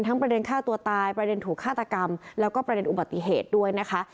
ประเด็นฆ่าตัวตายประเด็นถูกฆาตกรรมแล้วก็ประเด็นอุบัติเหตุด้วยนะคะ